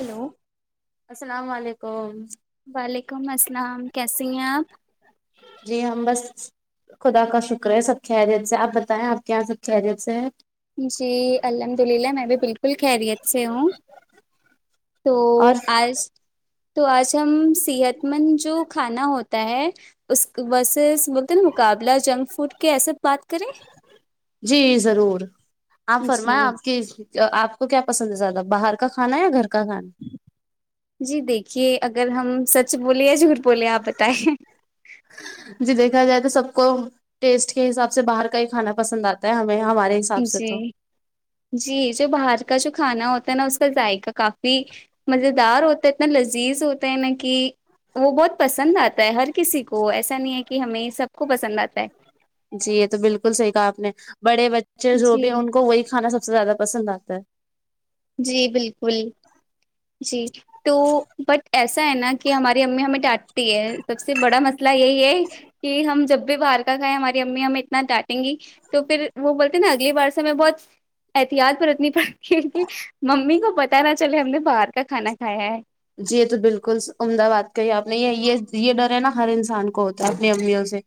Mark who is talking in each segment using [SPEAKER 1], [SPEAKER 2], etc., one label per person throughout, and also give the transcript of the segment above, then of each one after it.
[SPEAKER 1] hello
[SPEAKER 2] السلام علیکم
[SPEAKER 1] وعلیکم السلام کیسی ہیں آپ
[SPEAKER 2] جی ہم بس خدا کا شکر ہے سب کی خیریت سے آپ بتائیں آپ کے یہاں سب کی خیریت سے ہے
[SPEAKER 1] جی الحمد للہ میں بھی بالکل خیریت سے ہوں تو
[SPEAKER 2] اور
[SPEAKER 1] آج تو آج ہم صحت مند جو کھانا ہوتا ہے اس وسے بولتے نا مقابلہ جنک فوڈ کی ایسے بات کریں
[SPEAKER 2] جی ضرور آپ فرمائیں
[SPEAKER 1] جی
[SPEAKER 2] آپ کی آپ کو کیا پسند ہے زیادہ باہر کا کھانا یا گھر کا کھانا
[SPEAKER 1] جی دیکھیے اگر ہم سچ بولے یا جھوٹ بولے آپ بتائیں
[SPEAKER 2] جی دیکھا جائے تو سب کو ٹیسٹ کے حساب سے باہر کا ہی کھانا پسند آتا ہے ہمیں ہمارے حساب سے تو
[SPEAKER 1] جی جی جو باہر کا جو کھانا ہوتا ہے نا اس کا ذائقہ کافی مزیدار ہوتا ہے اتنا لذیذ ہوتا ہے نا کی وہ بہت پسند آتا ہے ہر کسی کو ایسا نہیں ہے کہ ہمیں سب کو پسند آتا ہے
[SPEAKER 2] جی یہ تو بالکل صحیح کہا آپ نے بڑے بچے جو
[SPEAKER 1] جی
[SPEAKER 2] بھی ان کو وہی کھانا سب سے زیادہ پسند آتا ہے
[SPEAKER 1] جی بالکل جی تو بٹ ایسا ہے نا کہ ہماری امی ہمیں ڈانٹتی ہے سب سے بڑا مسلہ یہی ہے کہ ہم جب بھی بر ایا ہماری امی ہمیں اتنا ڈانٹیں گی تو پھر وہ بولتے نا اگلی بار سے میں بہت احتیاط برتنی پڑتی ہے کہ ممی کو پتا نہ چلے ہم نے باہر کا کھانا کھایا ہے
[SPEAKER 2] جی یہ تو بالکل عمدہ بات کہی آپ نے یہ یہ یہ ڈر ہے نا ہر انسان کو ہوتا ہے اپنی امیوں سے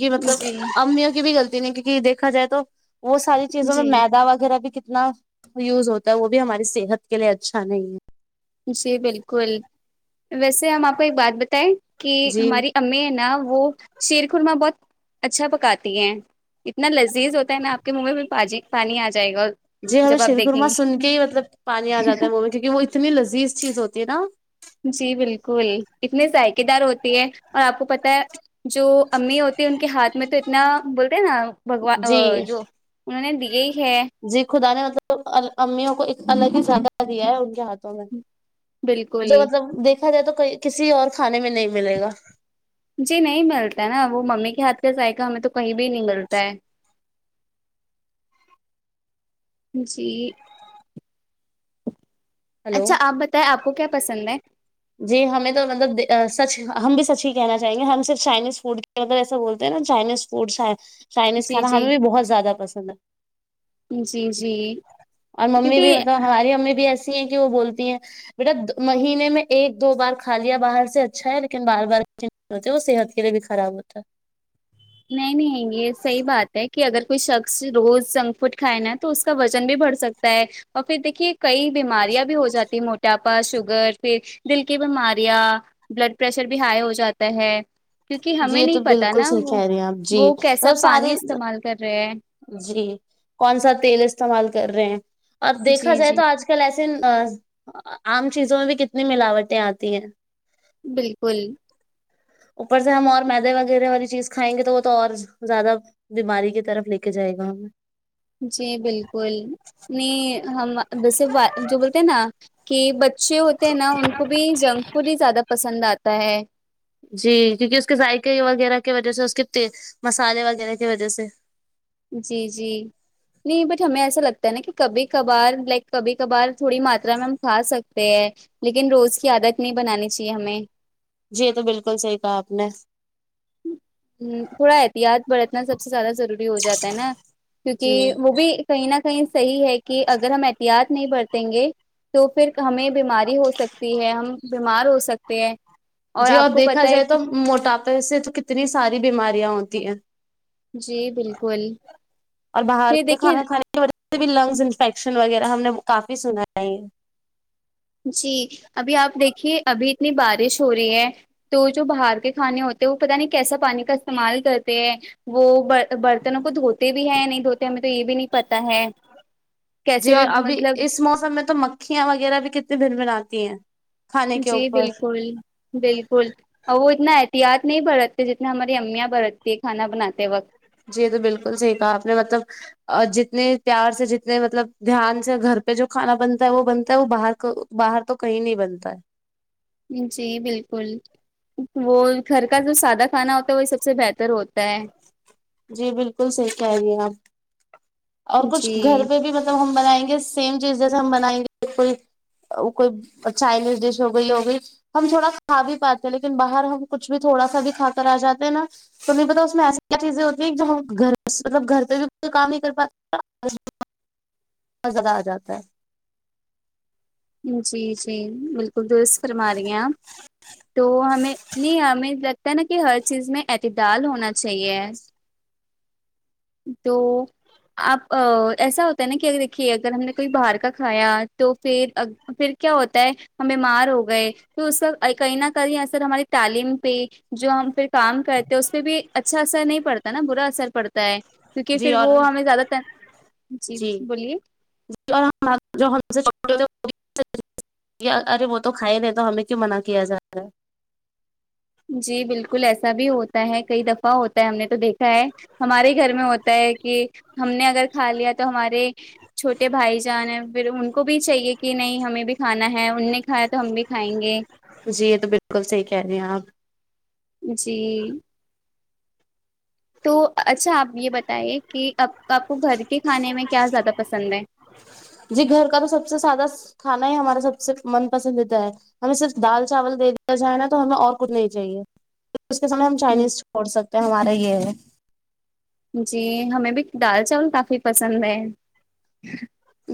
[SPEAKER 2] کہ مطلب
[SPEAKER 1] جی
[SPEAKER 2] امیوں کی بھی غلطی نہیں کیونکہ دیکھا جائے تو وہ ساری چیزوں میں
[SPEAKER 1] جی
[SPEAKER 2] میدا وغیرہ بھی کتنا یوز ہوتا ہے وہ بھی ہماری صحت کے لیے اچھا نہیں ہے
[SPEAKER 1] جی بالکل ویسے ہم آپ کو ایک بات بتائے کہ
[SPEAKER 2] جی
[SPEAKER 1] ہماری امی ہے نا وہ شیرخورما بہت اچھا پکاتی ہیں اتنا لذیذ ہوتا ہے نا آپ کے منہ میں پاجی پانی آ جائے گا اور
[SPEAKER 2] جی ہ شیر قورمہ سن کے ہی مطلب پانی آ جاتا ہے منہ میں کیوکہ وہ اتنی لذیذ چیز ہوتی ہے نا
[SPEAKER 1] جی بالکل اتنے ذائقے دار ہوتی ہے اور آپ کو پتا ہے جو امی ہوتی ان کے ہاتھ میں تو اتنا بولتے ہیں نا
[SPEAKER 2] جی
[SPEAKER 1] بگوان جو انہوں نے دیے ہے
[SPEAKER 2] جی خدا نے مطلب امیوں کو ایک الگ ہی سھ [unintelligible] دیا ہے ان کے ہاتھوں میں
[SPEAKER 1] بالکل
[SPEAKER 2] جو مطلب دیکھا جائے تو کسی اور کھانے میں نہیں ملے گا
[SPEAKER 1] جی نہیں ملتا ہے نا وہ ممی کے ہاتھ کا ذائقہ ہمیں تو کہیں بھی نہیں ملتا ہے جی
[SPEAKER 2] ہلو
[SPEAKER 1] اچھا آپ بتائیں آپ کو کیا پسند ہے
[SPEAKER 2] جی ہمیں تو مطلب سچ ہم بھی سچ ہی کہنا چاہیں گے ہم صرف چائنیز فوڈ اگر ایسا بولتے نا چائنیز فوڈ چائنیز
[SPEAKER 1] جی
[SPEAKER 2] کانا
[SPEAKER 1] جی
[SPEAKER 2] ہمیں بھی بہت زیادہ پسند ہے
[SPEAKER 1] جی جی
[SPEAKER 2] اور ممی بھی
[SPEAKER 1] کیونکہ
[SPEAKER 2] مطلب ہماری امی بھی ایسی ہیں کہ وہ بولتی ہیں بیٹا مہینے میں ایک دو بار کھا لیا باہر سے اچھا ہے لیکن بار بار وہ صحت کے لیے بھی خراب ہوتا ہے
[SPEAKER 1] نہیں نہیں یہ صحیح بات ہے کہ اگر کوئی شخص روز جنک فوڈ کھائے نا تو اس اس کا وزن بھی بڑھ سکتا ہے اور پھر دیکھیے کئی بیماریاں بھی ہو جاتی ہیں موٹاپا شوگر پھر دل کی بیماریاں بلڈ پریشر بھی ہائی ہو جاتا ہے کیونکہ
[SPEAKER 2] ہے جی
[SPEAKER 1] ہمیں
[SPEAKER 2] یہ
[SPEAKER 1] نہیں
[SPEAKER 2] تو
[SPEAKER 1] پتا
[SPEAKER 2] بالکل
[SPEAKER 1] نا
[SPEAKER 2] صحیح
[SPEAKER 1] وہ
[SPEAKER 2] کہہ رہے ہیں آپ جی
[SPEAKER 1] وہ کیسا
[SPEAKER 2] مطلب
[SPEAKER 1] پانی
[SPEAKER 2] سارے
[SPEAKER 1] استعمال کر رہے ہیں
[SPEAKER 2] جی کون سا تیل استعمال کر رہے ہیں اب دیکھا
[SPEAKER 1] جی
[SPEAKER 2] جائے
[SPEAKER 1] جی
[SPEAKER 2] تو آج کل کل ایسے عام چیزوں میں بھی کتنی ملاوٹیں آتی ہیں
[SPEAKER 1] بالکل
[SPEAKER 2] اوپر سے ہم اور میدے وغیرہ والی چیز کھائیں گے تو وہ تو اور زیادہ بیماری کی طرف لے کے جائے گا
[SPEAKER 1] جی بالکل نہیں ہم ویسے جو بولتے نا کہ بچے ہوتے ہیں نا ان کو بھی جنک فوڈ ہی زیادہ پسند آتا ہے
[SPEAKER 2] جی کیونکہ اس کے ذائقے وغیرہ کی وجہ سے اس کے مسالے وغیرہ کی وجہ سے
[SPEAKER 1] جی جی نہیں بٹ ہمیں ایسا لگتا ہے نا کہ کبھی کبھار لائک کبھی کبھار تھوڑی ماترا میں ہم کھا سکتے ہیں لیکن روز کی عادت نہیں بنانی چاہیے ہمیں
[SPEAKER 2] جی یہ تو بالکل صحیح کہا آپ نے
[SPEAKER 1] ہ تھوڑا احتیاط برتنا سب سے زیادہ ضروری ہو جاتا ہے نا
[SPEAKER 2] جی
[SPEAKER 1] کیونکہ وہ بھی کہیں نہ کہیں صحیح ہے کہ اگر ہم احتیاط نہیں برتیں گے تو پھر ہمیں بیماری ہو سکتی ہے ہم بیمار ہو سکتے ہیں
[SPEAKER 2] جی اور
[SPEAKER 1] آپ کو
[SPEAKER 2] دیکھا
[SPEAKER 1] پت ہے
[SPEAKER 2] جائے
[SPEAKER 1] کہ
[SPEAKER 2] تو موٹاپے سے تو کتنی ساری بیماریاں ہوتی ہیں
[SPEAKER 1] جی بالکل پھر دیکھیے
[SPEAKER 2] اس سے بھی لنگس انفیکشن وغیرہ ہم نے کافی سنا ہے یہ
[SPEAKER 1] جی کبھی آپ دیکھیے ابھی اتنی بارش ہو رہی ہے تو جو باہر کے کھانے ہوتے ہیں وہ پتہ نہیں کیسا پانی کا استعمال کرتے ہیں وہ برتنوں کو دھوتے بھی ہے نہیں دھوتے ہے ہمیں یہ بھی نہیں پتہ ہے کیسے
[SPEAKER 2] جی
[SPEAKER 1] بھی
[SPEAKER 2] اور ابھی
[SPEAKER 1] مطلب
[SPEAKER 2] اس موسم میں تو مکھ مکھیاں وغیرہ بھی کتنے بھن بھناتی ہیں کھانے کے
[SPEAKER 1] جی
[SPEAKER 2] اوپر
[SPEAKER 1] بالکل بالکل اور وہ اتنا احتیاط نہیں برتتے جتتے ہماری امیاں برتتی ہے کھانا بناتے وقت
[SPEAKER 2] جی یہ تو بالکل صحیح کہا آپ نے مطلب اور جتنے پیار سے جتنے مطلب دھیان سے گھر پہ جو کھانا بنتا ہے وہ بنتا ہے وہ باہر کا باہر تو کہیں نہیں بنتا ہے
[SPEAKER 1] جی بالکل وہ گھر کا جو سادہ کھانا ہوتا ہے وہی سب سے بہتر ہوتا ہے
[SPEAKER 2] جی بالکل صحیح کہہ رہی آپ اور کچھ گھر
[SPEAKER 1] جی
[SPEAKER 2] پہ بھی جب ہم بنائیں گے سیم چیز جیے ہم بنائیں گے کوئی وہ کوئی چائنیس دیش ہو گئی ہو گئی ہم تھوڑا کھا بھی پاتے ہیں لیکن باہر ہم کچھ بھی تھوڑا سا بھی کھا کر آ جاتے ہیں نا تمہیں پتہ اس میں ایسی کیا چیزیں گھر مطلب گھر پہ بھی کوئی کام نہیں کر پاتا مزا آجاتا ہے
[SPEAKER 1] جی جی بالکل درست فرما رہی ہیں آپ تو ہمیں یہ ہمیں لگتا ہے نا کہ ہر چیز میں اہتےدال ہونا چاہیے تو آپ ایسا ہوتا ہے نا کہ دیکھیے اگر ہم نے کوئی باہر کا کھایا تو پھر پھر کیا ہوتا ہے ہم بیمار ہو گئے تو اس کا کہیں نہ کہیں اثر ہماری تعلیم پہ جو ہم پھر کام کرتے اس پہ بھی اچھا اثر نہیں پڑتا نا برا اثر پڑتا کیونکہ
[SPEAKER 2] جی
[SPEAKER 1] پھر
[SPEAKER 2] اور
[SPEAKER 1] وہ ہمیں زیادہ تر جی بولیے
[SPEAKER 2] [unintelligible] ارے وہ تو کھائے نہیں تو ہمیں کیوں منا کیا جائے
[SPEAKER 1] جی بالکل ایسا بھی ہوتا ہے کئی دفعہ ہوتا ہے ہم نے تو دیکھا ہے ہمارے گھر میں ہوتا ہے کہ ہم نے اگر کھا لیا تو ہمارے چھوٹے بھائی جان ہیں پھر ان کو بھی چاہیے کہ نہیں ہمیں بھی کھانا ہے ان نے کھایا تو ہم بھی کھائیں گے
[SPEAKER 2] جی یہ تو بالکل صحیح کہہ رہی ہیں آپ
[SPEAKER 1] جی تو اچھا آپ یہ بتائیے کہ آپ آپ کو گھر کے کھانے میں کیا زیادہ پسند ہے
[SPEAKER 2] جی گھر کا تو سب سے سادہ کھانا ہی ہمارا سب سے من پسندیدہ ہے ہمیں صرف دال چاول دے دیا جائے نا تو ہمیں اور کچھ نہیں چاہیے اس کے سامنے ہم چائنیز چھوڑ سکتے ہیں ہمارے یہ ہے
[SPEAKER 1] جی ہمیں بھی دال چاول کافی پسند ہے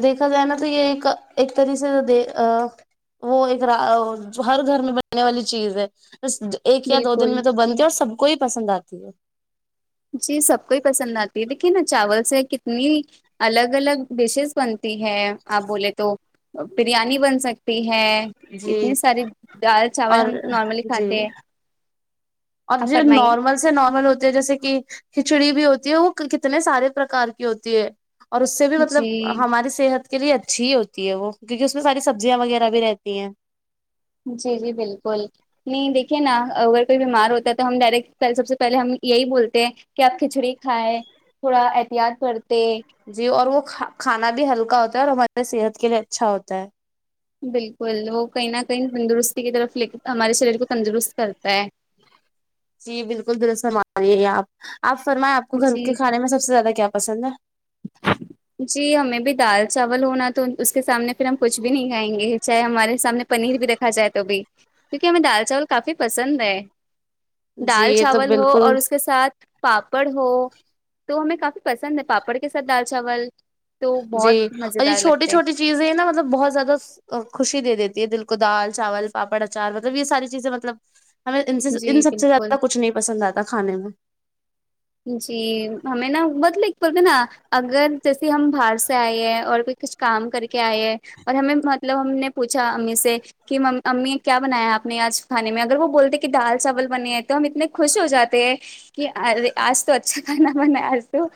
[SPEAKER 2] دیکھا جائے نا تو یہ ایک ایک طریقے سے آ وہ ایک ہر گھر میں بننے والی چیز ہے ایک یا دو دن
[SPEAKER 1] بالکل
[SPEAKER 2] میں تو بنتی ہے اور سب کو ہی پسند آتی ہے
[SPEAKER 1] جی سب کوئی پسند آتی ہے دیکھیے نا چاول سے کتنی الگ الگ ڈیشس بنتی ہے آپ بولے تو بریانی بن سکتی ہے
[SPEAKER 2] ہے جی
[SPEAKER 1] اتنی ساری دال چاول
[SPEAKER 2] اور
[SPEAKER 1] ہم نارملی
[SPEAKER 2] جی
[SPEAKER 1] کھاتے ہیں
[SPEAKER 2] اور
[SPEAKER 1] آپ
[SPEAKER 2] صرف
[SPEAKER 1] فرمائیے
[SPEAKER 2] نارمل سے نارمل ہوتے ہے جیسے کہ کھچڑی بھی ہوتی ہے وہ کتنے سارے پرکار کی ہوتی ہے اور اس سے بھی مطلب
[SPEAKER 1] جی
[SPEAKER 2] ہماری صحت کے لیے اچھی ہی ہوتی ہے وہ کیونکہ اس میں ساری سبزیاں وغیرہ بھی رہتی ہیں
[SPEAKER 1] جی جی بالکل نہیں دیکھیے نا اگر کوئی بیمار ہوتا ہے تو ہم ڈاریکٹ سب سے پہلے ہم یہی بولتے ہیں کہ آپ کھچڑی کھاے تھوڑا احتیاط کرتے
[SPEAKER 2] جی اور وہ کھانا بھی ہلکا ہوتا ہے اور ہماری صحت کے لیے اچھا ہوتا ہے
[SPEAKER 1] بالکل وہ کہیں نہ کہیں تندرستی کی طرف ل ہمارے شریر کو تندرست کرتا ہے
[SPEAKER 2] جی بالکل درست فرما رہے آپ آپ فرمائےیں آپ کو گھر
[SPEAKER 1] جی
[SPEAKER 2] کے کھانے میں سب سے زیادہ کیا پسند ہے
[SPEAKER 1] [inaudible] جی ہمیں بھی دال چاول ہونا تو اس کے سامنے ہم پھر کچھ بھی نہیں کھائیں گے چاہے ہمارے سامنے پنیر بھی رکھ کھا جائے تو بھی کیونکہ ہمیں دال چاول کافی پسند ہے
[SPEAKER 2] جی
[SPEAKER 1] دال
[SPEAKER 2] یہ تو
[SPEAKER 1] چاول ہو
[SPEAKER 2] بالکل
[SPEAKER 1] اور اس کے ساتھ پاپڑ ہو تو ہمیں کافی پسند ہے پاپڑ کے ساتھ دال چاول تو
[SPEAKER 2] جی
[SPEAKER 1] بہت مزے
[SPEAKER 2] اور یہ
[SPEAKER 1] دار
[SPEAKER 2] چھوٹی
[SPEAKER 1] لگتے ہیں
[SPEAKER 2] چھوٹی چیزیں نہ مطلب بہت زیادہ خوشی دے دیتی ہے دل کو دال چاول پاپڑ اچار مطلب یہ ساری چیزیں مطلب ہمیں ان سے ان
[SPEAKER 1] جی
[SPEAKER 2] سب سے
[SPEAKER 1] بالکل
[SPEAKER 2] زیادہ کچھ نہیں پسند آتا کھانے میں
[SPEAKER 1] جی ہمیں نا بتلے کے پڑ دے نا اگر جیسے ہم باہر سے آئے ہیں اور کوئی کچھ کام کر کے آئے ہیں اور ہمیں مطلب ہم نے پوچھا امی سے کہ امی کیا بنایا ہے آپ نے آج کھانے میں اگر وہ بولتے کہ دال چاول بنے ہیں تو ہم اتنے خوش ہو جاتے ہیں کہ ارے آج تو اچھا کھانا بنا آج تو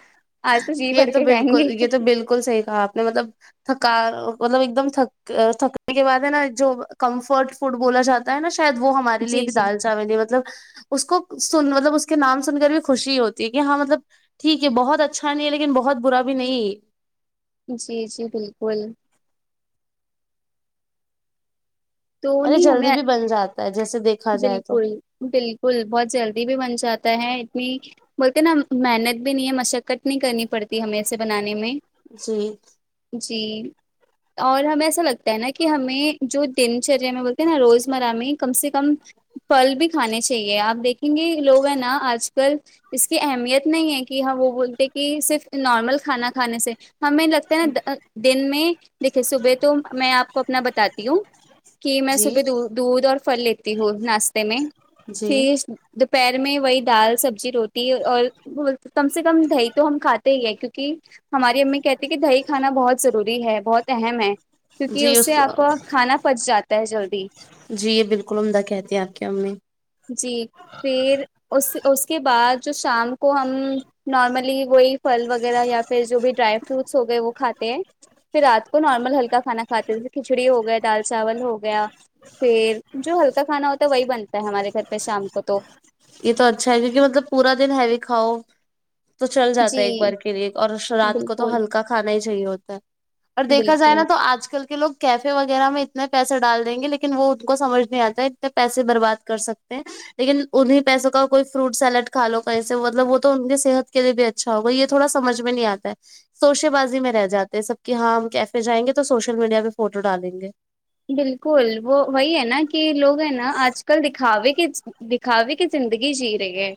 [SPEAKER 1] آج تو جی
[SPEAKER 2] یہ
[SPEAKER 1] بھر کے کھائیں گے
[SPEAKER 2] بالکل یہ تو بالکل صحیح کہا آپ نے مطلب تھکا مطلب ایک دم تھک تھکنے کے بعد ہے نا جو کمفرٹ فڈ بولا جاتا تا ہے نا شاید وہ ہمار لیے
[SPEAKER 1] جی
[SPEAKER 2] بھی
[SPEAKER 1] جی
[SPEAKER 2] دال مطلب اس کو سن مطلب اس کے نام سن کر بھی خوشی ہوتی ہے کہ ہاں مطلب ٹھیک ہے بہت اچھا نہیں ہے لیکن بہت برا بھی نہیں
[SPEAKER 1] جی جی بالکل تو
[SPEAKER 2] اور یہ
[SPEAKER 1] نہیں
[SPEAKER 2] جلدی
[SPEAKER 1] ہمیں
[SPEAKER 2] بھی بن جاتا ہے جیسے دیکھا جائے تو
[SPEAKER 1] بالکل بالکل بہت جلدی بھی بن جاتا ہے اتنی بولتے نا محنت بھی نہیں ہے مشقت نہیں کرنی پڑتی ہمیں اسے بنانے میں
[SPEAKER 2] جی
[SPEAKER 1] جی اور ہمیں ایسا لگتا ہے نا کہ ہمیں جو دن چریا میں بولتے ہیں نا روزمرہ میں کم سے کم پھل بھی کھانے چاہیے آپ دیکھیں گے لوگ ہیں نا آج کل اس کی اہمیت نہیں ہے کہ ہاں وہ بولتے کہ صرف نارمل کھانا کھانے سے ہمیں لگتا ہے نا دن میں دیکھیے صبح تو میں آپ کو اپنا بتاتی ہوں کہ میں
[SPEAKER 2] جی
[SPEAKER 1] صبح دودھ اور پھل لیتی ہوں ناشتے میں
[SPEAKER 2] جی
[SPEAKER 1] پھر دوپہر میں وہی دال سبزی روٹ ٹی اور کم سے کم دہی تو ہم کھاتے ہی ہیں کیونک ہماری امی کہتی کہ دہی کھانا بہت ضروری ہے بہت اہم ہے کیونکہ اس سے آپ کو کھانا پچ جاتا ہے جلدی
[SPEAKER 2] جی یہ بالکل عمدہ کہتی ہیں آپ کی امی
[SPEAKER 1] جی پھر اس اس کے بعد جو شام کو ہم نارملی وہی پھل وغیرہ یا پھر جو بھی ڈرائی فروٹس ہو گئے وہ کھاتے ہیں پھر رات کو نارمل ہلکا کھانا کھاتے ہیں جیسے کھچڑی ہو گیا دال چاول ہو گیا پھر جو ہلکا کھانا ہوتا ہے وہی بنتا ہے ہمارے گھر پہ شام کو تو
[SPEAKER 2] یہ تو اچھا ہے کیونکہ مطلب پورا دن ہے ہی کھاؤ تو چل جاتا ہے
[SPEAKER 1] جی
[SPEAKER 2] ایک بار کے لیے اور رات کو تو
[SPEAKER 1] بالکل
[SPEAKER 2] ہلکا کھانا ہی چاہیے ہوتا ہے اور دیکھا جائے
[SPEAKER 1] بالکل
[SPEAKER 2] نا تو آج کل کے لوگ کیفے وغیرہ میں اتنے پیسے ڈال دیں گے لیکن وہ ان کو سمجھ نہیں آتا ہے اتنے پیسے برباد کر سکتے ہیں لیکن انہیں پیسوں کا کوئی فروٹ سیلیڈ کا لو کہیں سے مطلب وہ تو ان کی صحت کے لی بھی اچھا ہوگا یہ تو تھوڑا سمجھ میں نہیں آتا ہے سوشے بازی میں رہ جاتے ہیں سب کہ ہاں ہم کیفے جائیں گے تو سوشل میڈیا پہ فوٹو ڈالیں گے
[SPEAKER 1] بالکل وہ وہی ہے نا کہ لوگ ہیں نا آج کل دکھاوے ک دیکھاوے کہ زندگی جی رہی ہے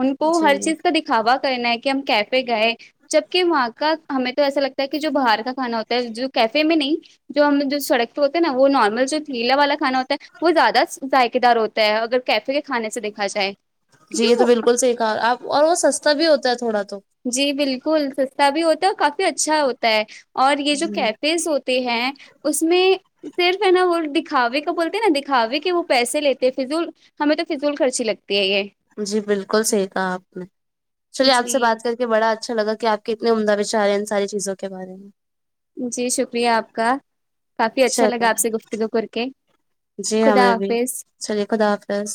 [SPEAKER 1] ان کو ہر
[SPEAKER 2] جی
[SPEAKER 1] چیز کا د کھابا کرنا ہے کی ہم کیفے گئے جبکی وہاں کا ہمیں تو ایسا لگتا ہے کی جو باہر کا کھانا ہوتا ہے جو کیفے میں نہیں جو ہم نے جو سڑک ثے ہوتا ہے نا وہ نارمل جو تھیلا والا کھا ہوتا ہے وہ زیادہ ذائقے دار ہوتا ہے اگر کیفے کے کھانے سے دیکھا جائے
[SPEAKER 2] جی یے
[SPEAKER 1] کیونکہ
[SPEAKER 2] تو
[SPEAKER 1] وہ
[SPEAKER 2] بالکل سی کہا آپ اور وہ سستا بھی ہوتا ہے تھوڑا تو
[SPEAKER 1] جی بالکل سستا بھی ہوتا ہے اور کافی اچھا ہوتا ہے اور یے جو
[SPEAKER 2] جی
[SPEAKER 1] کیفیز ہو تے ہیں اس میں صرف ہے نا وہ دکھاوے کا بولتے نا دکھاوے کے وہ پیسے لیتے فضول ہمیں تو فضول خرچی لگتی ہے یے
[SPEAKER 2] جی بالکل صحیح کہا آپ نے چلیے آپ سے
[SPEAKER 1] جی
[SPEAKER 2] بات کر کے بڑا اچھا لگا کی آپ کتنی عمدہ وچار ہیں ان ساری چیزوں کے بارے میں
[SPEAKER 1] جی شکریہ آپ کا کافی اچھا لگا
[SPEAKER 2] چلے
[SPEAKER 1] آپ سے گفتگو کر کے
[SPEAKER 2] جی
[SPEAKER 1] خدا
[SPEAKER 2] ہمیں بھی
[SPEAKER 1] حافظ
[SPEAKER 2] چلیے خدا حافظ